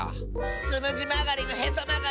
つむじまがりのへそまがり！